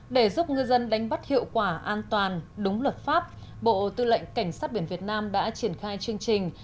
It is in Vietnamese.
để giúp ngư dân đánh bắt hiệu quả an toàn đúng luật pháp bộ tư lệnh cảnh sát biển việt nam đã triển khai chương trình